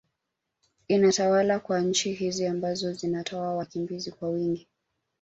inatawala kwa nchi hizo ambazo zinatoa wakimbizi kwa wingi